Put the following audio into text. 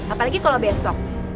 apalagi kalau besok